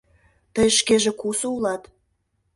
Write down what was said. — Тый шкеже кусо улат?